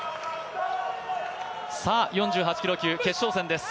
４８キロ級決勝戦です。